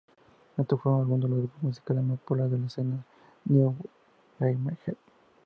Estos fueron algunos de los grupos musicales más populares de la escena new wave.